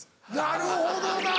なるほどな。